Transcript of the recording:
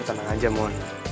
lo tenang aja mon